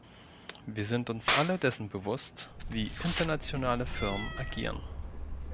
Wir sind uns alle dessen bewusst, wie internationale Firmen agieren.